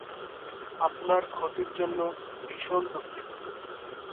আপনার ক্ষতির জন্য ভীষণ দুঃখিত।